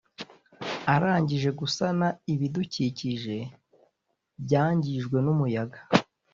Arangije gusana ibidukikije byangijwe n’umuyaga